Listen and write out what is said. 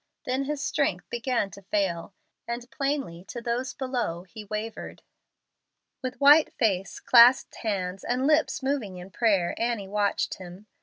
Then his strength began to fail, and plainly to those below he wavered. With white face, clasped hands, and lips moving in prayer, Annie watched him.